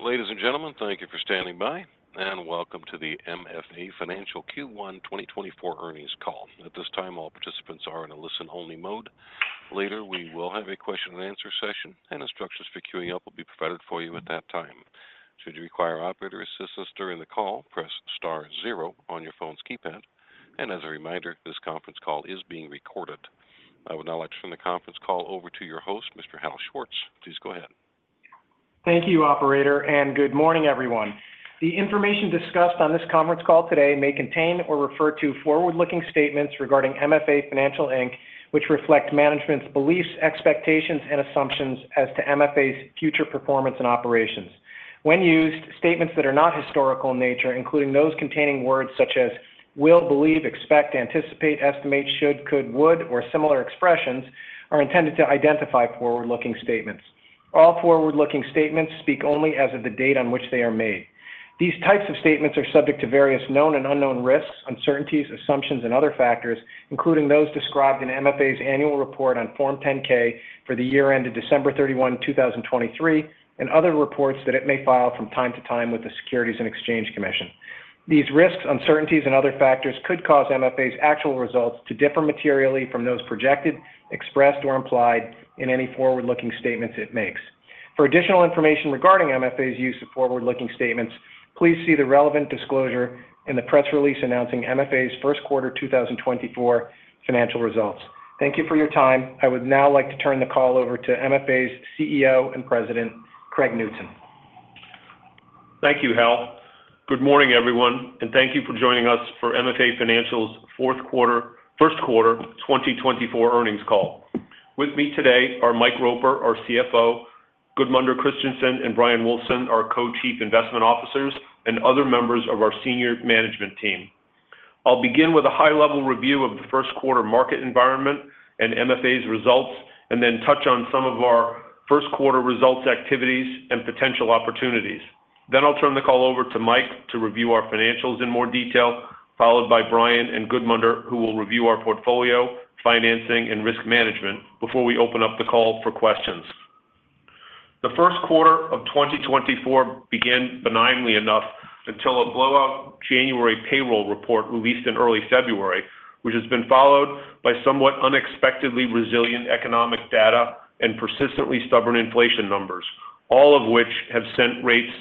Ladies and gentlemen, thank you for standing by, and welcome to the MFA Financial Q1 2024 Earnings Call. At this time, all participants are in a listen-only mode. Later, we will have a question-and-answer session, and instructions for queuing up will be provided for you at that time. Should you require operator assistance during the call, press star zero on your phone's keypad. As a reminder, this conference call is being recorded. I would now like to turn the conference call over to your host, Mr. Hal Schwartz. Please go ahead. Thank you, operator, and good morning, everyone. The information discussed on this conference call today may contain or refer to forward-looking statements regarding MFA Financial, Inc, which reflect management's beliefs, expectations, and assumptions as to MFA's future performance and operations. When used, statements that are not historical in nature, including those containing words such as will, believe, expect, anticipate, estimate, should, could, would, or similar expressions, are intended to identify forward-looking statements. All forward-looking statements speak only as of the date on which they are made. These types of statements are subject to various known and unknown risks, uncertainties, assumptions, and other factors, including those described in MFA's annual report on Form 10-K for the year ended December 31, 2023, and other reports that it may file from time to time with the Securities and Exchange Commission. These risks, uncertainties, and other factors could cause MFA's actual results to differ materially from those projected, expressed, or implied in any forward-looking statements it makes. For additional information regarding MFA's use of forward-looking statements, please see the relevant disclosure in the press release announcing MFA's first quarter 2024 financial results. Thank you for your time. I would now like to turn the call over to MFA's CEO and President, Craig Knutson. Thank you, Hal. Good morning, everyone, and thank you for joining us for MFA Financial's First Quarter 2024 Earnings Call. With me today are Mike Roper, our CFO, Gudmundur Kristjansson and Bryan Wulfsohn, our Co-Chief Investment Officers, and other members of our senior management team. I'll begin with a high-level review of the first quarter market environment and MFA's results, and then touch on some of our first quarter results, activities, and potential opportunities. Then I'll turn the call over to Mike to review our financials in more detail, followed by Bryan and Gudmundur, who will review our portfolio, financing, and risk management before we open up the call for questions. The first quarter of 2024 began benignly enough until a blowout January payroll report released in early February, which has been followed by somewhat unexpectedly resilient economic data and persistently stubborn inflation numbers, all of which have sent rates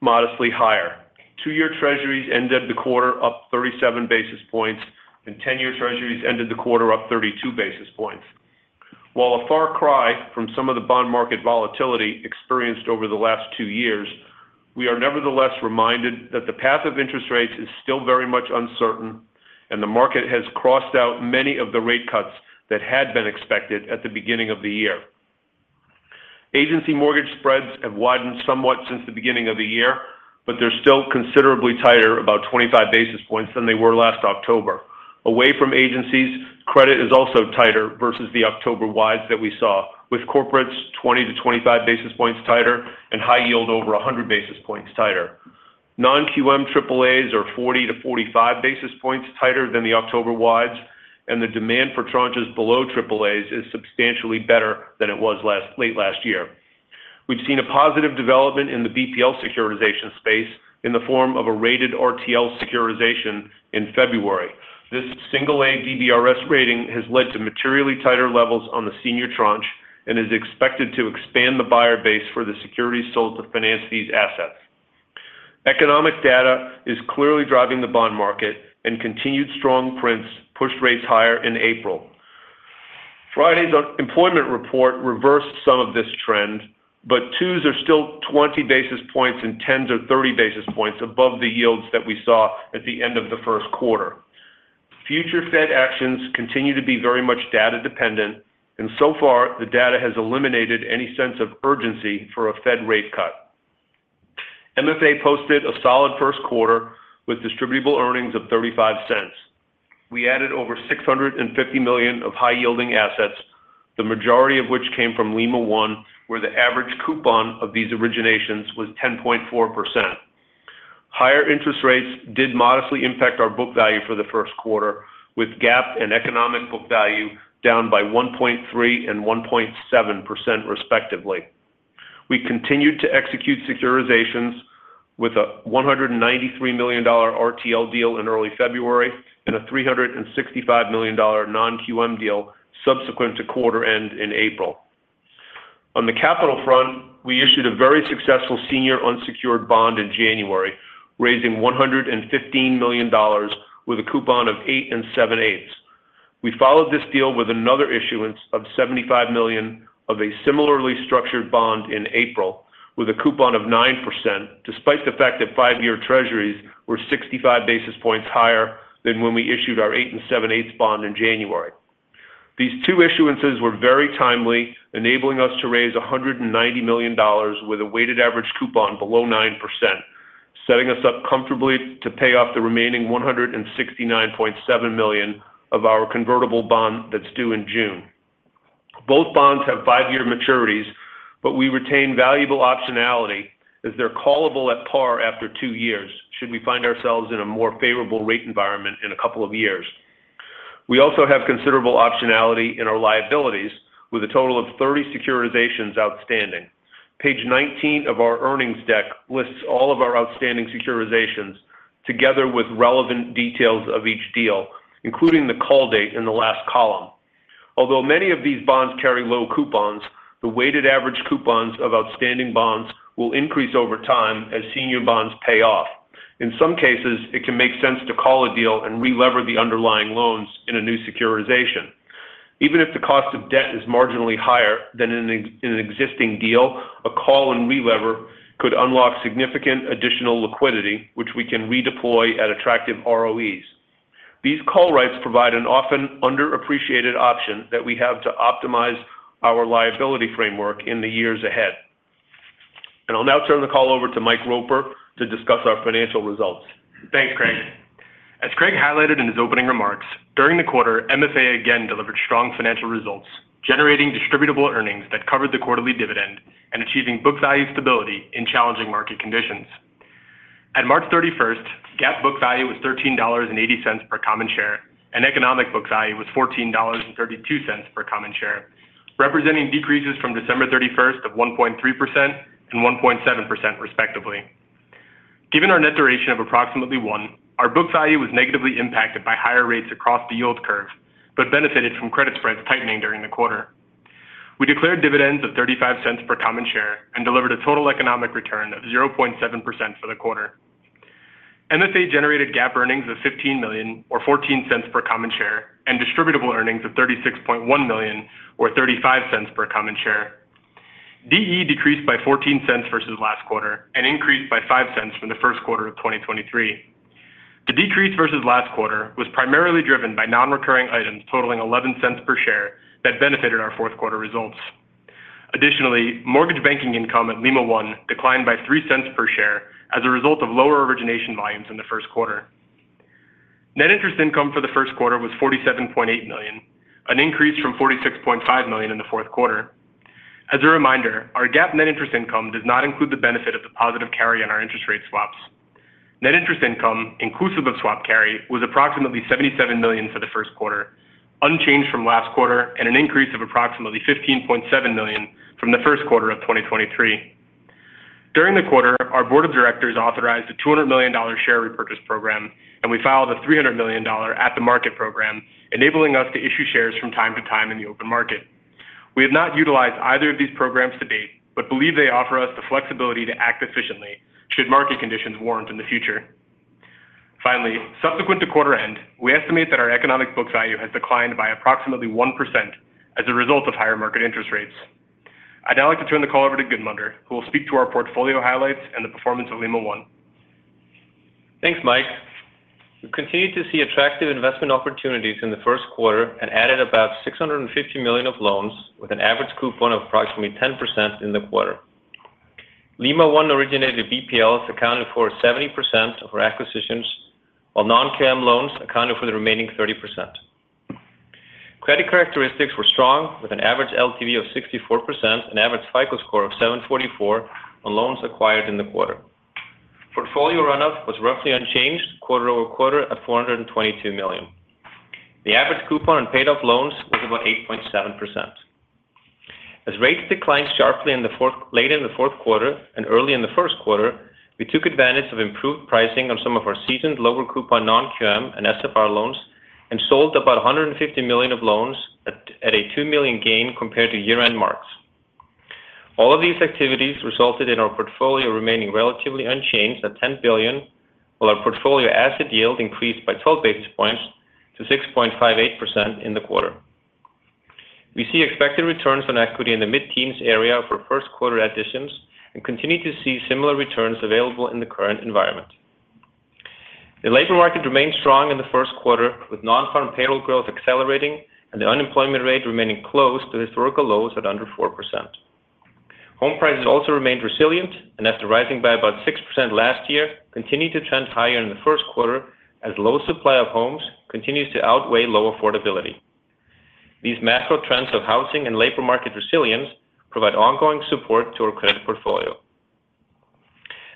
modestly higher. Two-year Treasuries ended the quarter up 37 basis points, and ten-year Treasuries ended the quarter up 32 basis points. While a far cry from some of the bond market volatility experienced over the last two years, we are nevertheless reminded that the path of interest rates is still very much uncertain and the market has crossed out many of the rate cuts that had been expected at the beginning of the year. Agency mortgage spreads have widened somewhat since the beginning of the year, but they're still considerably tighter, about 25 basis points than they were last October. Away from agencies, credit is also tighter versus the October wides that we saw, with corporates 20 basis points-25 basis points tighter and high yield over 100 basis points tighter. Non-QM AAAs are 40 basis points-45 basis points tighter than the October wides, and the demand for tranches below AAAs is substantially better than it was late last year. We've seen a positive development in the BPL securitization space in the form of a rated RTL securitization in February. This single A DBRS rating has led to materially tighter levels on the senior tranche and is expected to expand the buyer base for the securities sold to finance these assets. Economic data is clearly driving the bond market and continued strong prints pushed rates higher in April. Friday's employment report reversed some of this trend, but twos are still 20 basis points and tens are 30 basis points above the yields that we saw at the end of the first quarter. Future Fed actions continue to be very much data dependent, and so far, the data has eliminated any sense of urgency for a Fed rate cut. MFA posted a solid first quarter with distributable earnings of $0.35. We added over $650 million of high-yielding assets, the majority of which came from Lima One, where the average coupon of these originations was 10.4%. Higher interest rates did modestly impact our book value for the first quarter, with GAAP and economic book value down by 1.3% and 1.7%, respectively. We continued to execute securitizations with a $193 million RTL deal in early February and a $365 million non-QM deal subsequent to quarter end in April. On the capital front, we issued a very successful senior unsecured bond in January, raising $115 million with a coupon of 8 7/8. We followed this deal with another issuance of $75 million of a similarly structured bond in April, with a coupon of 9%, despite the fact that five-year Treasuries were 65 basis points higher than when we issued our 8 7/8 bond in January. These two issuances were very timely, enabling us to raise $190 million with a weighted average coupon below 9%, setting us up comfortably to pay off the remaining $169.7 million of our convertible bond that's due in June. Both bonds have 5-year maturities, but we retain valuable optionality as they're callable at par after 2 years, should we find ourselves in a more favorable rate environment in a couple of years....We also have considerable optionality in our liabilities, with a total of 30 securitizations outstanding. Page 19 of our earnings deck lists all of our outstanding securitizations together with relevant details of each deal, including the call date in the last column. Although many of these bonds carry low coupons, the weighted average coupons of outstanding bonds will increase over time as senior bonds pay off. In some cases, it can make sense to call a deal and relever the underlying loans in a new securitization. Even if the cost of debt is marginally higher than in an existing deal, a call and relever could unlock significant additional liquidity, which we can redeploy at attractive ROEs. These call rights provide an often underappreciated option that we have to optimize our liability framework in the years ahead. I'll now turn the call over to Mike Roper to discuss our financial results. Thanks, Craig. As Craig highlighted in his opening remarks, during the quarter, MFA again delivered strong financial results, generating distributable earnings that covered the quarterly dividend and achieving book value stability in challenging market conditions. At March 31st, GAAP book value was $13.80 per common share, and economic book value was $14.32 per common share, representing decreases from December 31st of 1.3% and 1.7% respectively. Given our net duration of approximately 1, our book value was negatively impacted by higher rates across the yield curve, but benefited from credit spreads tightening during the quarter. We declared dividends of $0.35 per common share and delivered a total economic return of 0.7% for the quarter. MFA generated GAAP earnings of $15 million or $0.14 per common share, and distributable earnings of $36.1 million or $0.35 per common share. DE decreased by $0.14 versus last quarter and increased by $0.05 from the first quarter of 2023. The decrease versus last quarter was primarily driven by non-recurring items totaling $0.11 per share that benefited our fourth quarter results. Additionally, mortgage banking income at Lima One declined by $0.03 per share as a result of lower origination volumes in the first quarter. Net interest income for the first quarter was $47.8 million, an increase from $46.5 million in the fourth quarter. As a reminder, our GAAP net interest income does not include the benefit of the positive carry on our interest rate swaps. Net interest income, inclusive of swap carry, was approximately $77 million for the first quarter, unchanged from last quarter and an increase of approximately $15.7 million from the first quarter of 2023. During the quarter, our board of directors authorized a $200 million share repurchase program, and we filed a $300 million at-the-market program, enabling us to issue shares from time to time in the open market. We have not utilized either of these programs to date, but believe they offer us the flexibility to act efficiently should market conditions warrant in the future. Finally, subsequent to quarter end, we estimate that our economic book value has declined by approximately 1% as a result of higher market interest rates. I'd now like to turn the call over to Gudmundur, who will speak to our portfolio highlights and the performance of Lima One. Thanks, Mike. We continued to see attractive investment opportunities in the first quarter and added about $650 million of loans, with an average coupon of approximately 10% in the quarter. Lima One originated BPLs accounted for 70% of our acquisitions, while non-QM loans accounted for the remaining 30%. Credit characteristics were strong, with an average LTV of 64% and average FICO score of 744 on loans acquired in the quarter. Portfolio run-up was roughly unchanged quarter-over-quarter at $422 million. The average coupon on paid off loans was about 8.7%. As rates declined sharply late in the fourth quarter and early in the first quarter, we took advantage of improved pricing on some of our seasoned lower coupon non-QM and SFR loans and sold about $150 million of loans at a $2 million gain compared to year-end marks. All of these activities resulted in our portfolio remaining relatively unchanged at $10 billion, while our portfolio asset yield increased by 12 basis points to 6.58% in the quarter. We see expected returns on equity in the mid-teens area for first quarter additions and continue to see similar returns available in the current environment. The labor market remained strong in the first quarter, with non-farm payroll growth accelerating and the unemployment rate remaining close to historical lows at under 4%. Home prices also remained resilient, and after rising by about 6% last year, continued to trend higher in the first quarter as low supply of homes continues to outweigh low affordability. These macro trends of housing and labor market resilience provide ongoing support to our credit portfolio.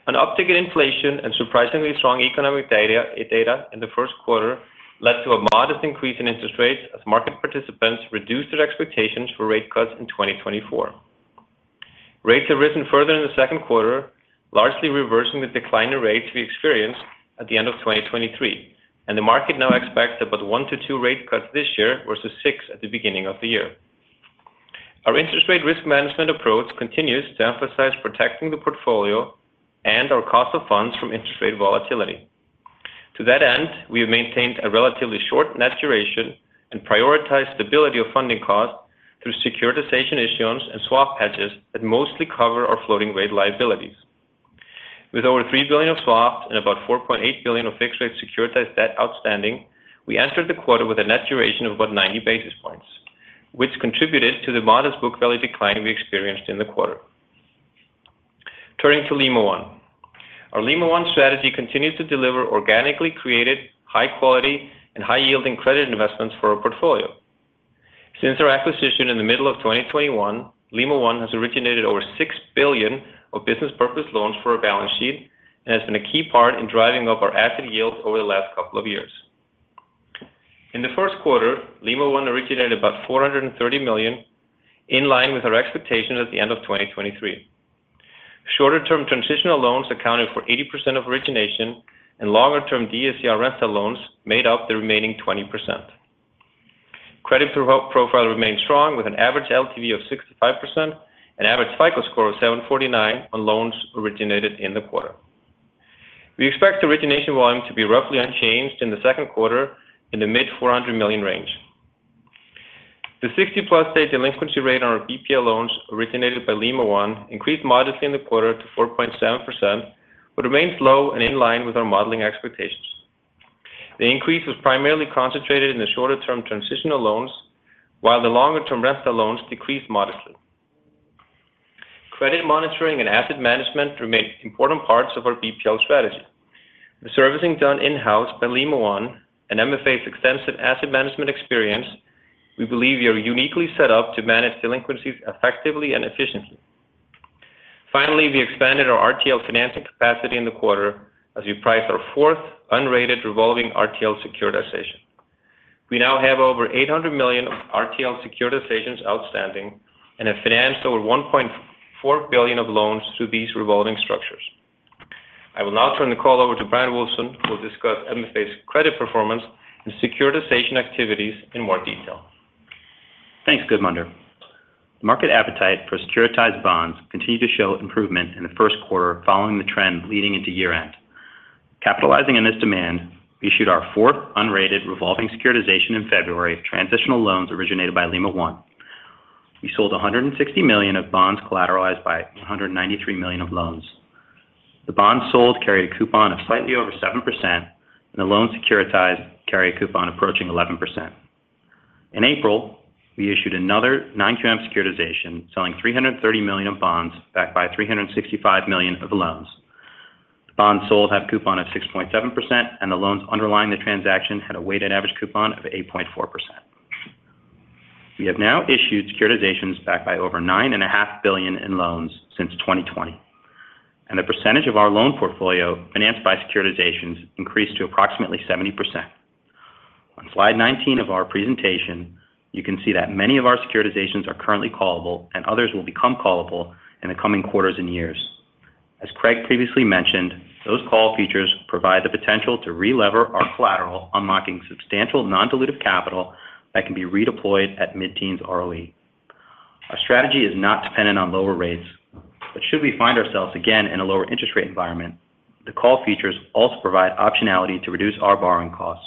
An uptick in inflation and surprisingly strong economic data in the first quarter led to a modest increase in interest rates as market participants reduced their expectations for rate cuts in 2024. Rates have risen further in the second quarter, largely reversing the decline in rates we experienced at the end of 2023, and the market now expects about 1-2 rate cuts this year, versus six at the beginning of the year. Our interest rate risk management approach continues to emphasize protecting the portfolio and our cost of funds from interest rate volatility. To that end, we have maintained a relatively short net duration and prioritized stability of funding costs through securitization issuance and swap hedges that mostly cover our floating rate liabilities. With over $3 billion of swaps and about $4.8 billion of fixed-rate securitized debt outstanding, we entered the quarter with a net duration of about 90 basis points, which contributed to the modest book value decline we experienced in the quarter. Turning to Lima One. Our Lima One strategy continues to deliver organically created, high quality, and high-yielding credit investments for our portfolio.... Since our acquisition in the middle of 2021, Lima One has originated over $6 billion of business purpose loans for our balance sheet, and has been a key part in driving up our asset yields over the last couple of years. In the first quarter, Lima One originated about $430 million, in line with our expectations at the end of 2023. Shorter-term transitional loans accounted for 80% of origination, and longer-term DSCR rental loans made up the remaining 20%. Credit profile remained strong, with an average LTV of 65% and average FICO score of 749 on loans originated in the quarter. We expect origination volume to be roughly unchanged in the second quarter, in the mid-$400 million range. The 60+ day delinquency rate on our BPL loans originated by Lima One increased modestly in the quarter to 4.7%, but remains low and in line with our modeling expectations. The increase was primarily concentrated in the shorter-term transitional loans, while the longer-term rental loans decreased modestly. Credit monitoring and asset management remain important parts of our BPL strategy. The servicing done in-house by Lima One and MFA's extensive asset management experience, we believe we are uniquely set up to manage delinquencies effectively and efficiently. Finally, we expanded our RTL financing capacity in the quarter as we priced our fourth unrated revolving RTL securitization. We now have over $800 million of RTL securitizations outstanding and have financed over $1.4 billion of loans through these revolving structures. I will now turn the call over to Bryan Wulfsohn, who will discuss MFA's credit performance and securitization activities in more detail. Thanks, Gudmundur. Market appetite for securitized bonds continued to show improvement in the first quarter following the trend leading into year-end. Capitalizing on this demand, we issued our fourth unrated revolving securitization in February of transitional loans originated by Lima One. We sold $160 million of bonds collateralized by $193 million of loans. The bonds sold carried a coupon of slightly over 7%, and the loans securitized carried a coupon approaching 11%. In April, we issued another non-QM securitization, selling $330 million of bonds backed by $365 million of loans. The bonds sold had coupon of 6.7%, and the loans underlying the transaction had a weighted average coupon of 8.4%. We have now issued securitizations backed by over $9.5 billion in loans since 2020, and the percentage of our loan portfolio financed by securitizations increased to approximately 70%. On Slide 19 of our presentation, you can see that many of our securitizations are currently callable, and others will become callable in the coming quarters and years. As Craig previously mentioned, those call features provide the potential to relever our collateral, unlocking substantial non-dilutive capital that can be redeployed at mid-teens ROE. Our strategy is not dependent on lower rates, but should we find ourselves again in a lower interest rate environment, the call features also provide optionality to reduce our borrowing costs.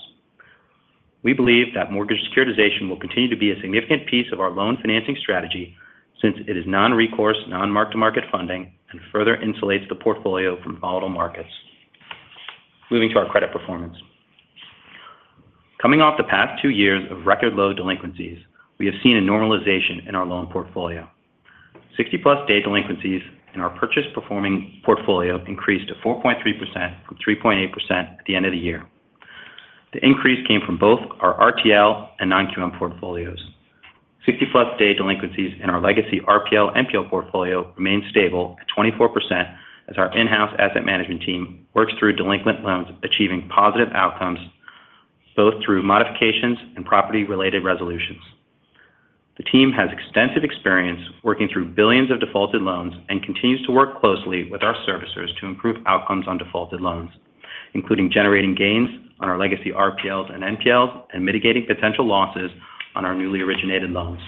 We believe that mortgage securitization will continue to be a significant piece of our loan financing strategy since it is non-recourse, non-mark-to-market funding and further insulates the portfolio from volatile markets. Moving to our credit performance. Coming off the past two years of record low delinquencies, we have seen a normalization in our loan portfolio. 60+ day delinquencies in our purchased performing portfolio increased to 4.3% from 3.8% at the end of the year. The increase came from both our RTL and non-QM portfolios. 60+ day delinquencies in our legacy RPL/NPL portfolio remained stable at 24%, as our in-house asset management team works through delinquent loans, achieving positive outcomes, both through modifications and property-related resolutions. The team has extensive experience working through billions of defaulted loans and continues to work closely with our servicers to improve outcomes on defaulted loans, including generating gains on our legacy RPLs and NPLs, and mitigating potential losses on our newly originated loans.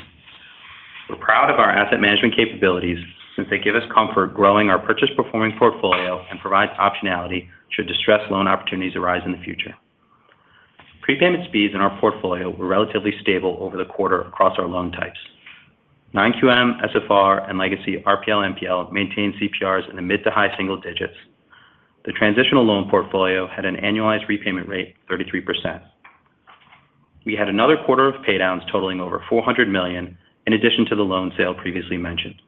We're proud of our asset management capabilities since they give us comfort growing our purchased performing portfolio and provides optionality should distressed loan opportunities arise in the future. Prepayment speeds in our portfolio were relatively stable over the quarter across our loan types. Non-QM, SFR, and legacy RPL/NPL maintained CPRs in the mid to high single digits. The transitional loan portfolio had an annualized repayment rate, 33%. We had another quarter of paydowns totaling over $400 million, in addition to the loan sale previously mentioned,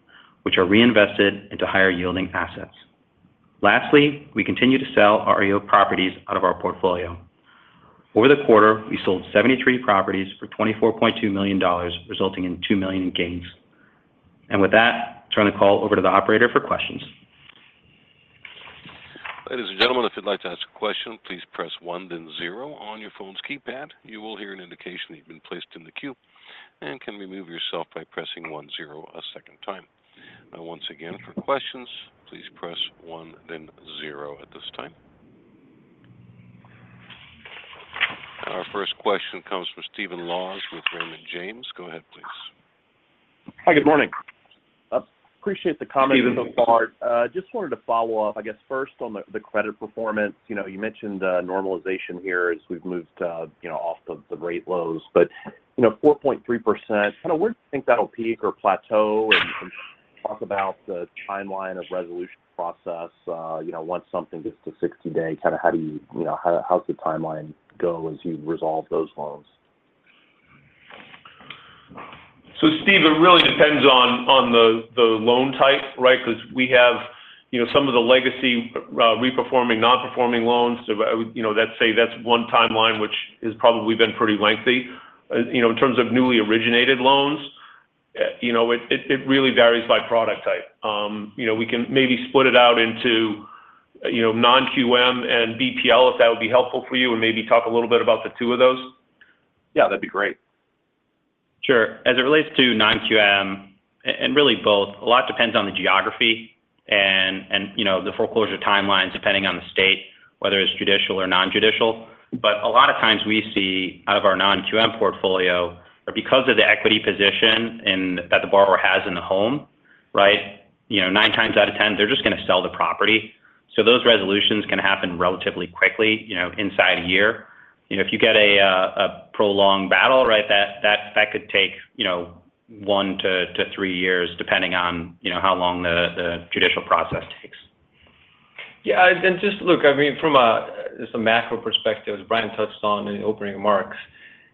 which are reinvested into higher-yielding assets. Lastly, we continue to sell REO properties out of our portfolio. Over the quarter, we sold 73 properties for $24.2 million, resulting in $2 million in gains. With that, turn the call over to the operator for questions. Ladies and gentlemen, if you'd like to ask a question, please press one, then zero on your phone's keypad. You will hear an indication that you've been placed in the queue, and can remove yourself by pressing one, zero a second time. Now, once again, for questions, please press one, then zero at this time. Our first question comes from Stephen Laws with Raymond James. Go ahead, please. Hi, good morning. Appreciate the comments so far. Just wanted to follow up, I guess, first on the credit performance. You know, you mentioned normalization here as we've moved, you know, off the rate lows, but, you know, 4.3%, kind of, where do you think that'll peak or plateau? And you can talk about the timeline of resolution process. You know, once something gets to 60 days, kind of, how do you—you know, how does the timeline go as you resolve those loans? So, Steve, it really depends on the loan type, right? Because we have you know, some of the legacy reperforming, non-performing loans, so I would, you know, let's say that's one timeline which has probably been pretty lengthy. You know, in terms of newly originated loans, you know, it really varies by product type. You know, we can maybe split it out into, you know, non-QM and BPL, if that would be helpful for you, and maybe talk a little bit about the two of those? Yeah, that'd be great. Sure. As it relates to non-QM, and really both, a lot depends on the geography and, you know, the foreclosure timelines, depending on the state, whether it's judicial or non-judicial. But a lot of times we see out of our non-QM portfolio, or because of the equity position in that the borrower has in the home, right? You know, nine times out of ten, they're just going to sell the property. So those resolutions can happen relatively quickly, you know, inside a year. You know, if you get a prolonged battle, right, that could take, you know, one to three years, depending on, you know, how long the judicial process takes. Yeah, and just look, I mean, from a just a macro perspective, as Brian touched on in the opening remarks,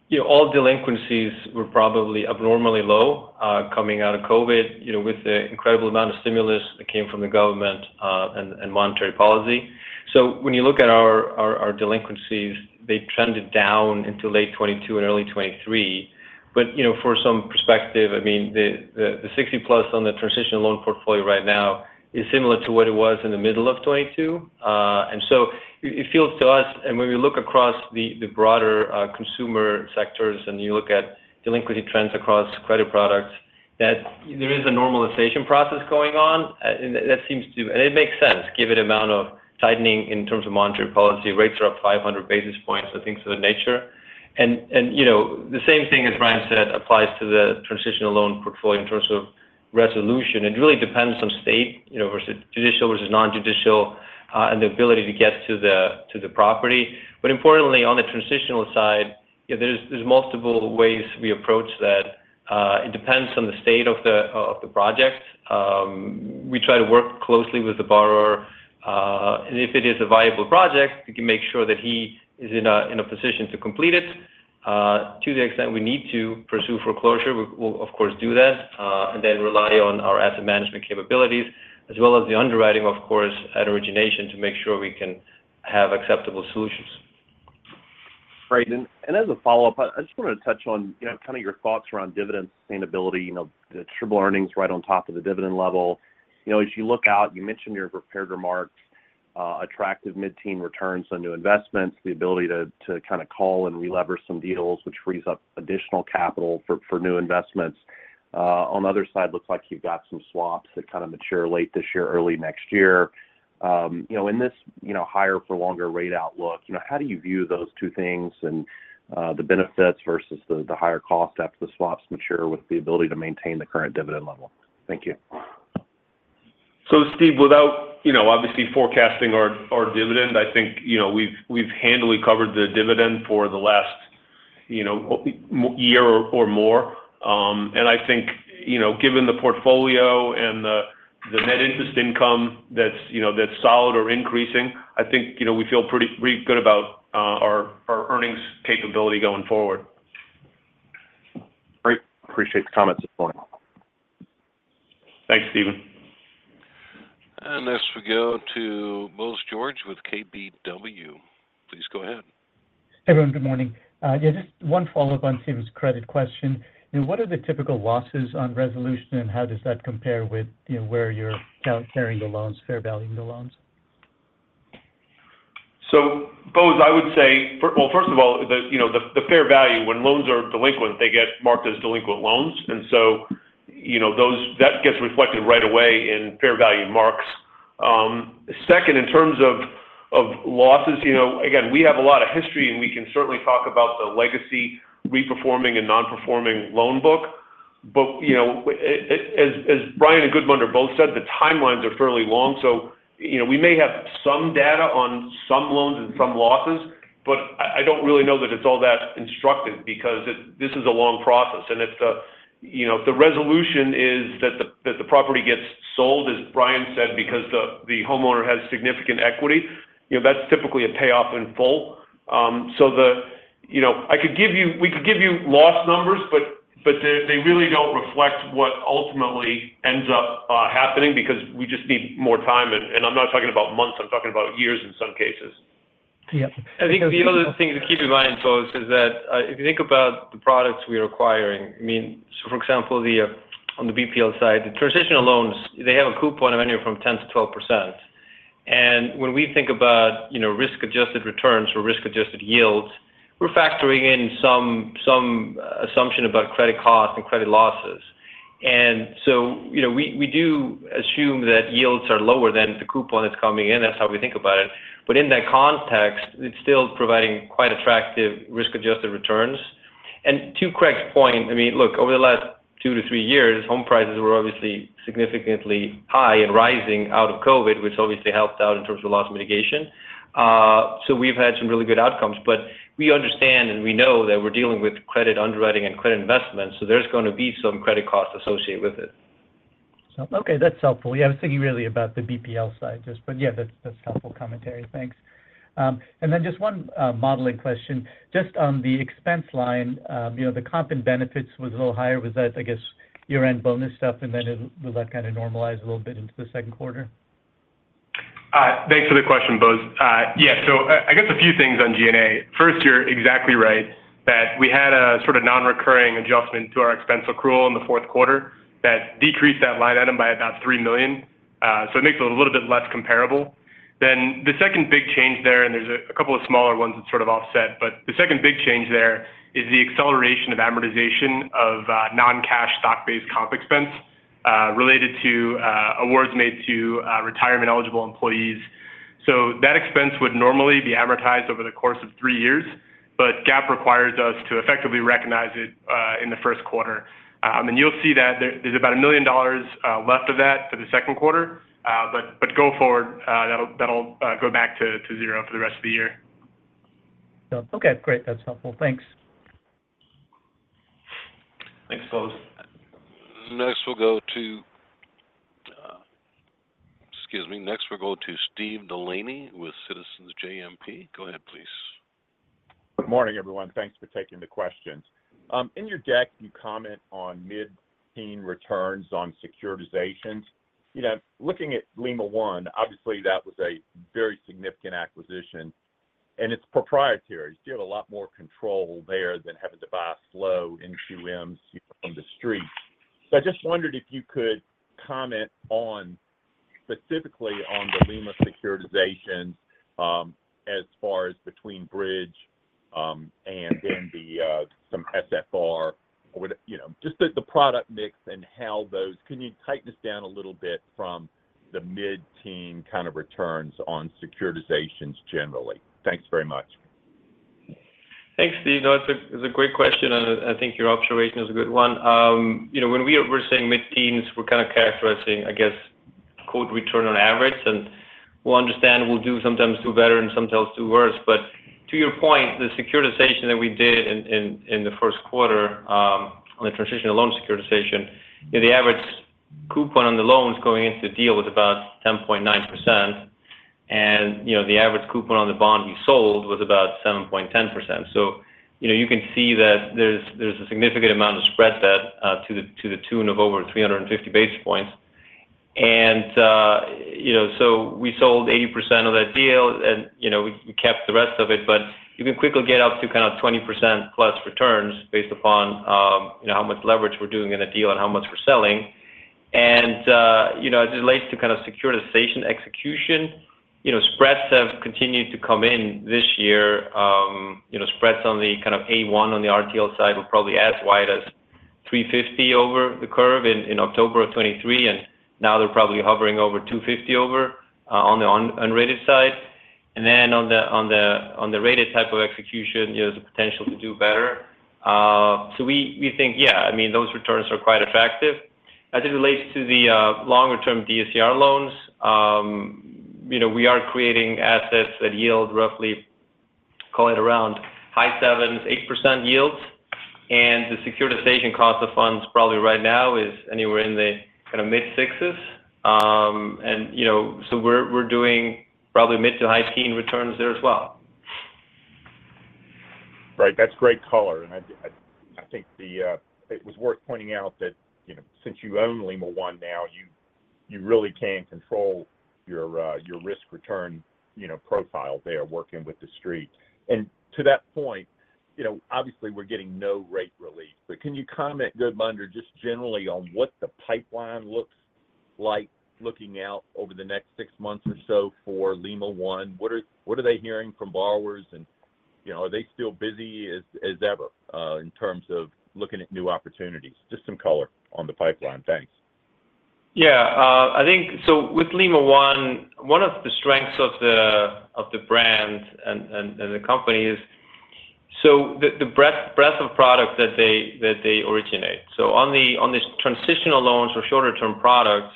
you know, all delinquencies were probably abnormally low, coming out of COVID, you know, with the incredible amount of stimulus that came from the government, and monetary policy. So when you look at our delinquencies, they trended down into late 2022 and early 2023. But, you know, for some perspective, I mean, the 60+ on the transitional loan portfolio right now is similar to what it was in the middle of 2022. And so it feels to us, and when we look across the broader consumer sectors, and you look at delinquency trends across credit products, that there is a normalization process going on, and that seems to and it makes sense, given the amount of tightening in terms of monetary policy. Rates are up 500 basis points, so things of that nature. And you know, the same thing as Brian said applies to the transitional loan portfolio in terms of resolution. It really depends on state, you know, versus judicial versus non-judicial, and the ability to get to the property. But importantly, on the transitional side, there's multiple ways we approach that. It depends on the state of the project. We try to work closely with the borrower, and if it is a viable project, we can make sure that he is in a position to complete it. To the extent we need to pursue foreclosure, we'll, of course, do that, and then rely on our asset management capabilities, as well as the underwriting, of course, at origination, to make sure we can have acceptable solutions. Great. And as a follow-up, I just wanted to touch on, you know, kind of your thoughts around dividend sustainability, you know, the triple earnings right on top of the dividend level. You know, as you look out, you mentioned your prepared remarks, attractive mid-teen returns on new investments, the ability to kind of call and relever some deals which frees up additional capital for new investments. On the other side, looks like you've got some swaps that kind of mature late this year, early next year. You know, in this, you know, higher for longer rate outlook, you know, how do you view those two things and the benefits versus the higher cost after the swaps mature with the ability to maintain the current dividend level? Thank you. So, Steve, without, you know, obviously forecasting our dividend, I think, you know, we've handily covered the dividend for the last, you know, many years or more. And I think, you know, given the portfolio and the net interest income that's, you know, that's solid or increasing, I think, you know, we feel pretty good about our earnings capability going forward. Great. Appreciate the comments this morning. Thanks, Stephen. Next we go to Bose George with KBW. Please go ahead. Everyone, good morning. Yeah, just one follow-up on Steve's credit question. You know, what are the typical losses on resolution, and how does that compare with, you know, where you're carrying the loans, fair value in the loans? So Bose, I would say, well, first of all, you know, the fair value, when loans are delinquent, they get marked as delinquent loans, and so, you know, that gets reflected right away in fair value marks. Second, in terms of losses, you know, again, we have a lot of history, and we can certainly talk about the legacy reperforming and non-performing loan book. But, you know, as Bryan and Gudmundur both said, the timelines are fairly long. So, you know, we may have some data on some loans and some losses, but I, I don't really know that it's all that instructive because it, this is a long process, and if the, you know, the resolution is that the, that the property gets sold, as Brian said, because the, the homeowner has significant equity, you know, that's typically a payoff in full. So, the... You know, I could give you, we could give you loss numbers, but, but they, they really don't reflect what ultimately ends up, happening because we just need more time. And, I'm not talking about months, I'm talking about years in some cases. Yeah. I think the other thing to keep in mind, Bose, is that, if you think about the products we are acquiring, I mean, so for example, the, on the BPL side, the transitional loans, they have a coupon of anywhere from 10%-12%. And when we think about, you know, risk-adjusted returns or risk-adjusted yields, we're factoring in some, some assumption about credit costs and credit losses. And so, you know, we, we do assume that yields are lower than the coupon that's coming in. That's how we think about it. But in that context, it's still providing quite attractive risk-adjusted returns. And to Craig's point, I mean, look, over the last 2-3 years, home prices were obviously significantly high and rising out of COVID, which obviously helped out in terms of loss mitigation. So we've had some really good outcomes, but we understand, and we know that we're dealing with credit underwriting and credit investment, so there's going to be some credit costs associated with it. So, okay, that's helpful. Yeah, I was thinking really about the BPL side, just but, yeah, that's, that's helpful commentary. Thanks. And then just one modeling question. Just on the expense line, you know, the comp and benefits was a little higher. Was that, I guess, year-end bonus stuff, and then will that kind of normalize a little bit into the second quarter? ... Thanks for the question, Bose. Yeah, so I guess a few things on G&A. First, you're exactly right, that we had a sort of non-recurring adjustment to our expense accrual in the fourth quarter that decreased that line item by about $3 million. So it makes it a little bit less comparable. Then the second big change there, and there's a couple of smaller ones that sort of offset, but the second big change there is the acceleration of amortization of non-cash stock-based comp expense related to awards made to retirement-eligible employees. So that expense would normally be amortized over the course of three years, but GAAP requires us to effectively recognize it in the first quarter. And you'll see that there's about a million dollar left of that for the second quarter, but go forward, that'll go back to zero for the rest of the year. Okay, great. That's helpful. Thanks. Thanks, Bose. Next, we'll go to, excuse me. Next, we'll go to Steve Delaney with Citizens JMP. Go ahead, please. Good morning, everyone. Thanks for taking the questions. In your deck, you comment on mid-teen returns on securitizations. You know, looking at Lima One, obviously, that was a very significant acquisition, and it's proprietary. You have a lot more control there than having to buy a flow NQMs from the street. So I just wondered if you could comment on, specifically on the Lima securitizations, as far as between bridge and then the SFR or whatever, you know, just the product mix and how those. Can you tighten this down a little bit from the mid-teen kind of returns on securitizations generally? Thanks very much. Thanks, Steve. No, it's a, it's a great question, and I think your observation is a good one. You know, when we're saying mid-teens, we're kind of characterizing, I guess, quote, "return on average," and we'll understand we'll sometimes do better and sometimes do worse. But to your point, the securitization that we did in the first quarter, on the transitional loan securitization, the average coupon on the loans going into the deal was about 10.9%, and, you know, the average coupon on the bond we sold was about 7.10%. So, you know, you can see that there's a significant amount of spread there, to the tune of over 350 basis points. And, you know, so we sold 80% of that deal and, you know, we kept the rest of it, but you can quickly get up to kind of 20%+ returns based upon, you know, how much leverage we're doing in a deal and how much we're selling. And, you know, as it relates to kind of securitization execution, you know, spreads have continued to come in this year. You know, spreads on the kind of A1 on the RTL side were probably as wide as 350 over the curve in October of 2023, and now they're probably hovering over 250 over on the unrated side. And then on the rated type of execution, there's a potential to do better. So we think, yeah, I mean, those returns are quite attractive. As it relates to the longer-term DSCR loans, you know, we are creating assets that yield roughly, call it around high 7s, 8% yields, and the securitization cost of funds, probably right now, is anywhere in the kinda mid-6s. And, you know, so we're, we're doing probably mid- to high-teens returns there as well. Right. That's great color, and I think it was worth pointing out that, you know, since you own Lima One now, you really can control your your risk return, you know, profile there, working with the Street. And to that point, you know, obviously, we're getting no rate relief, but can you comment, Gudmundur, just generally on what the pipeline looks like looking out over the next six months or so for Lima One? What are they hearing from borrowers, and, you know, are they still busy as ever in terms of looking at new opportunities? Just some color on the pipeline. Thanks. Yeah. So with Lima One, one of the strengths of the brand and the company is the breadth of product that they originate. So on these transitional loans or shorter-term products,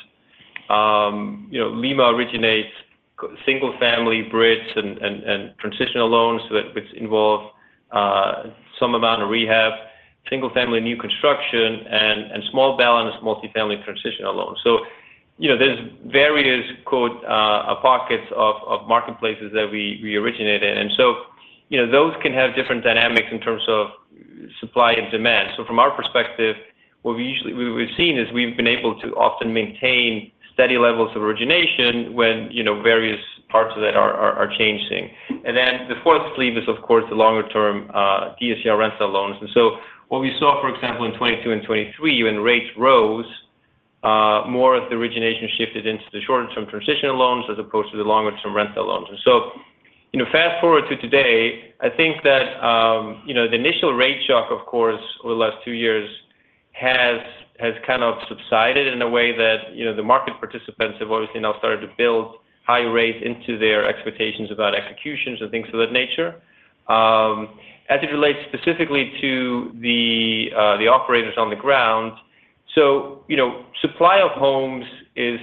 you know, Lima originates single-family bridges and transitional loans that which involve some amount of rehab, single-family new construction, and small balance multifamily transitional loans. So, you know, there's various, quote, "pockets of marketplaces" that we originate in. And so, you know, those can have different dynamics in terms of supply and demand. So from our perspective, what we've seen is we've been able to often maintain steady levels of origination when, you know, various parts of that are changing. And then the fourth sleeve is, of course, the longer-term, DSCR rental loans. And so what we saw, for example, in 2022 and 2023, when rates rose, more of the origination shifted into the shorter-term transitional loans as opposed to the longer-term rental loans. And so, you know, fast forward to today, I think that, you know, the initial rate shock, of course, over the last two years has kind of subsided in a way that, you know, the market participants have obviously now started to build high rates into their expectations about executions and things of that nature. As it relates specifically to the operators on the ground, you know, supply of homes is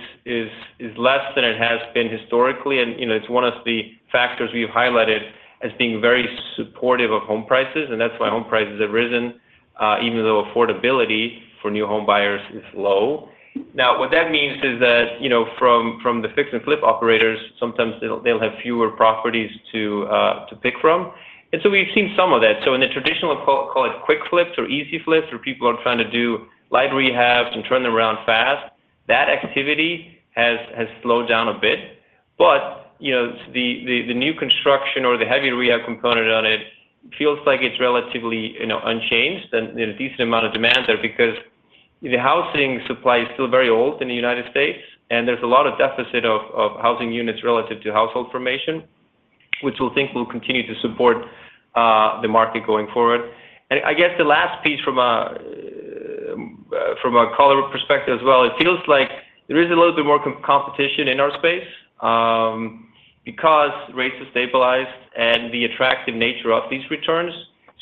less than it has been historically, and, you know, it's one of the factors we've highlighted as being very supportive of home prices, and that's why home prices have risen even though affordability for new home buyers is low. Now, what that means is that, you know, from the fix and flip operators, sometimes they'll have fewer properties to pick from. And so we've seen some of that. In the traditional, quote, call it quick flips or easy flips, where people are trying to do light rehabs and turn them around fast, that activity has slowed down a bit. But, you know, the new construction or the heavy rehab component on it feels like it's relatively, you know, unchanged, and there's a decent amount of demand there because the housing supply is still very old in the United States, and there's a lot of deficit of housing units relative to household formation, which we think will continue to support the market going forward. And I guess the last piece from a color perspective as well, it feels like there is a little bit more competition in our space because rates have stabilized and the attractive nature of these returns.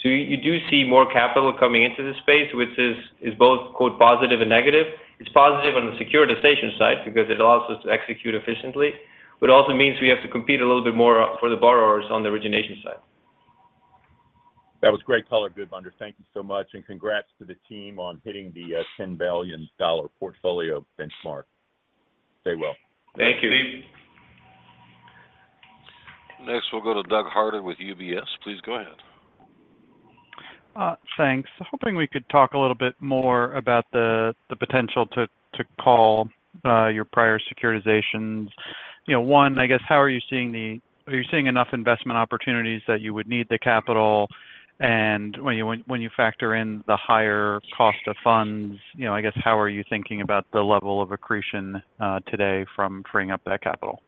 So you do see more capital coming into the space, which is both, quote, "positive and negative." It's positive on the securitization side because it allows us to execute efficiently, but it also means we have to compete a little bit more for the borrowers on the origination side. That was great color, Gudmundur. Thank you so much, and congrats to the team on hitting the $10 billion portfolio benchmark. Stay well. Thank you. Next, we'll go to Doug Harter with UBS. Please go ahead. Thanks. Hoping we could talk a little bit more about the potential to call your prior securitizations. You know, one, I guess, how are you seeing the - are you seeing enough investment opportunities that you would need the capital? And when you factor in the higher cost of funds, you know, I guess, how are you thinking about the level of accretion today from freeing up that capital?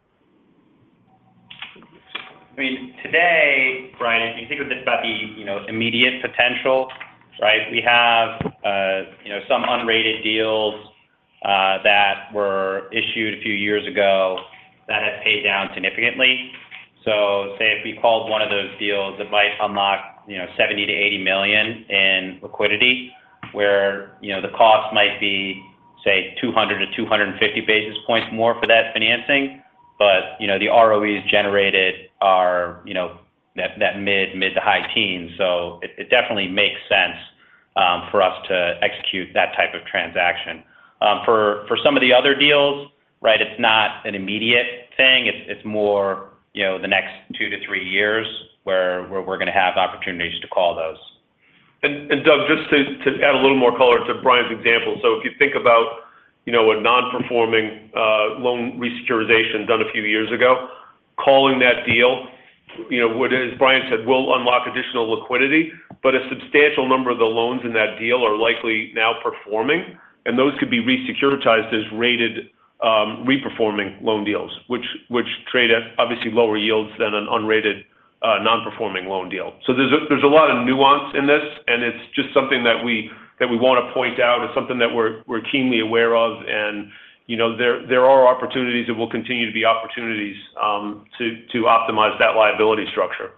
I mean, today, Brian, if you think about the, you know, immediate potential, right? We have, you know, some unrated deals, that were issued a few years ago that have paid down significantly. So say, if we called one of those deals, it might unlock, you know, $70 million-$80 million in liquidity, where, you know, the cost might be, say, 200 basis points-250 basis points more for that financing. But, you know, the ROEs generated are, you know, that mid- to high teens, so it definitely makes sense, for us to execute that type of transaction. For some of the other deals, right, it's not an immediate thing. It's more, you know, the next 2-3 years where we're going to have opportunities to call those. Doug, just to add a little more color to Bryan's example. So if you think about, you know, a non-performing loan resecuritization done a few years ago, calling that deal, you know, would, as Brian said, will unlock additional liquidity, but a substantial number of the loans in that deal are likely now performing, and those could be resecuritized as rated re-performing loan deals, which trade at obviously lower yields than an unrated non-performing loan deal. So there's a lot of nuance in this, and it's just something that we want to point out and something that we're keenly aware of. And, you know, there are opportunities and will continue to be opportunities to optimize that liability structure.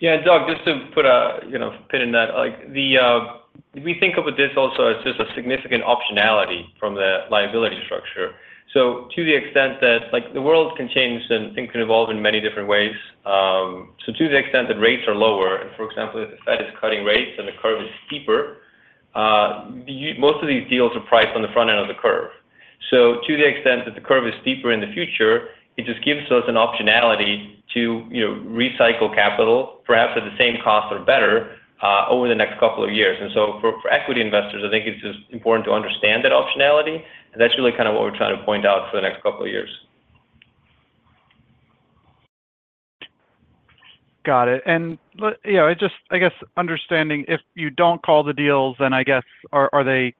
Yeah, and Doug, just to put a, you know, pin in that, like, we think about this also as just a significant optionality from the liability structure. So to the extent that, like, the world can change and things can evolve in many different ways, so to the extent that rates are lower, and for example, if the Fed is cutting rates and the curve is steeper, most of these deals are priced on the front end of the curve. So to the extent that the curve is steeper in the future, it just gives us an optionality to, you know, recycle capital, perhaps at the same cost or better, over the next couple of years. So for equity investors, I think it's just important to understand that optionality, and that's really kind of what we're trying to point out for the next couple of years. Got it. And you know, I guess understanding if you don't call the deals, then I guess, are they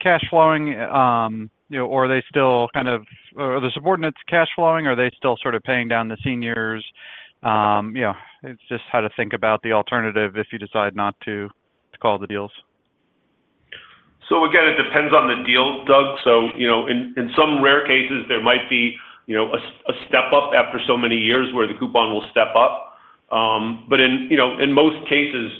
cash flowing, you know, or are they still kind of... Are the subordinates cash flowing, or are they still sort of paying down the seniors? Yeah, it's just how to think about the alternative if you decide not to call the deals. So again, it depends on the deal, Doug. So, you know, in some rare cases, there might be, you know, a step-up after so many years where the coupon will step up. But in, you know, in most cases,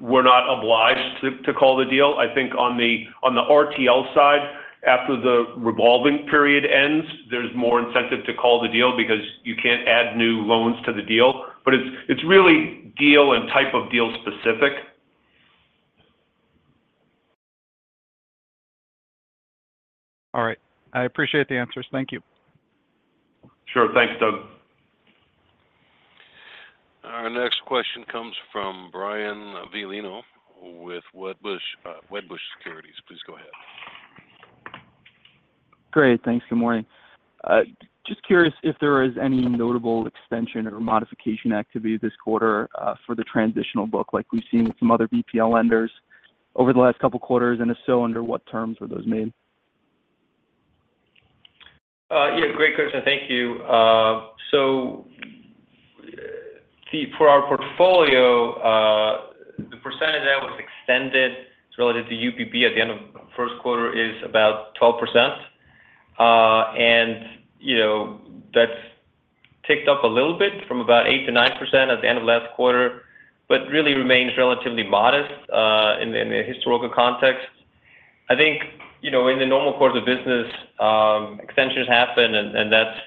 we're not obliged to call the deal. I think on the RTL side, after the revolving period ends, there's more incentive to call the deal because you can't add new loans to the deal. But it's really deal and type of deal-specific. All right. I appreciate the answers. Thank you. Sure. Thanks, Doug. Our next question comes from Brian Violino with Wedbush, Wedbush Securities. Please go ahead. Great. Thanks. Good morning. Just curious if there is any notable extension or modification activity this quarter, for the transitional book, like we've seen with some other BPL lenders over the last couple of quarters, and if so, under what terms were those made? Yeah, great question. Thank you. So for our portfolio, the percentage that was extended relative to UPB at the end of first quarter is about 12%. And, you know, that's ticked up a little bit from about 8%-9% at the end of last quarter, but really remains relatively modest, in the historical context. I think, you know, in the normal course of business, extensions happen, and that's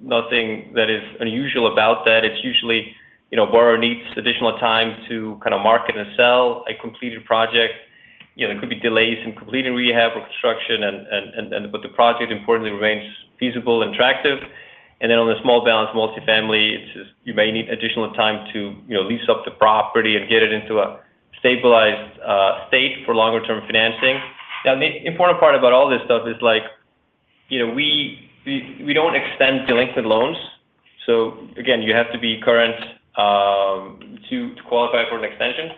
nothing that is unusual about that. It's usually, you know, borrower needs additional time to kind of market and sell a completed project. You know, there could be delays in completing rehab or construction and, but the project importantly remains feasible and attractive. Then on the small balance multifamily, it's just you may need additional time to, you know, lease up the property and get it into a stabilized state for longer term financing. Now, the important part about all this stuff is like, you know, we don't extend delinquent loans. So again, you have to be current to qualify for an extension.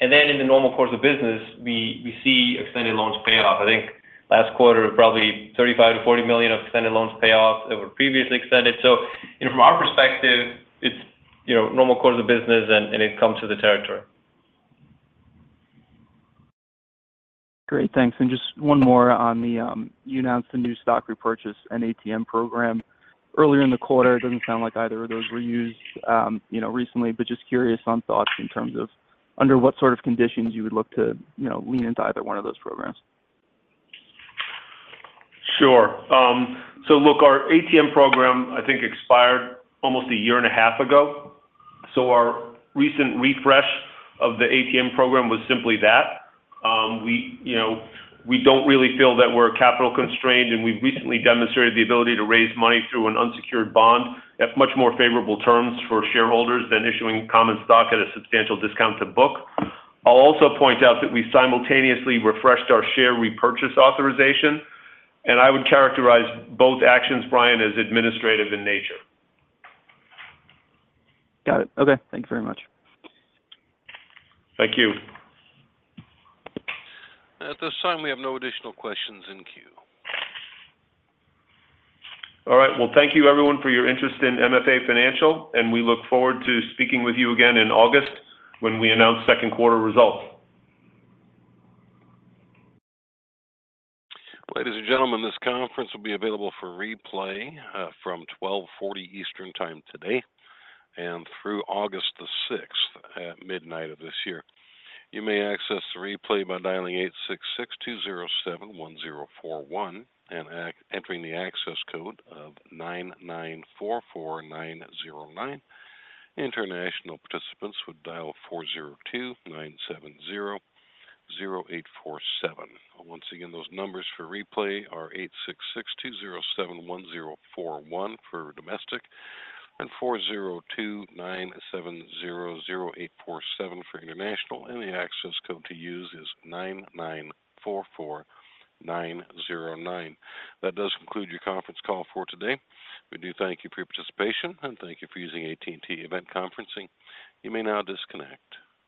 And then in the normal course of business, we see extended loans pay off. I think last quarter, probably $35 million-$40 million of extended loans pay off that were previously extended. So from our perspective, it's, you know, normal course of business and it comes with the territory. Great, thanks. And just one more on the, you announced a new stock repurchase and ATM program earlier in the quarter. It doesn't sound like either of those were used, you know, recently, but just curious on thoughts in terms of under what sort of conditions you would look to, you know, lean into either one of those programs? Sure. So look, our ATM program, I think, expired almost a year and a half ago, so our recent refresh of the ATM program was simply that. We, you know, we don't really feel that we're capital constrained, and we've recently demonstrated the ability to raise money through an unsecured bond at much more favorable terms for shareholders than issuing common stock at a substantial discount to book. I'll also point out that we simultaneously refreshed our share repurchase authorization, and I would characterize both actions, Brian, as administrative in nature. Got it. Okay. Thank you very much. Thank you. At this time, we have no additional questions in queue. All right. Well, thank you everyone for your interest in MFA Financial, and we look forward to speaking with you again in August when we announce second quarter results. Ladies and gentlemen, this conference will be available for replay from 12:40 Eastern Time today and through August 6 at midnight of this year. You may access the replay by dialing 866-207-1041 and entering the access code of 9944909. International participants would dial 402-970-0847. Once again, those numbers for replay are 866-207-1041 for domestic and 402-970-0847 for international, and the access code to use is 9944909. That does conclude your conference call for today. We do thank you for your participation, and thank you for using AT&T Event Conferencing. You may now disconnect.